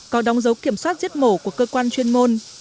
có đóng dấu kiểm soát giết mổ của cơ quan chuyên môn